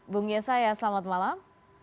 bung yesayas selamat malam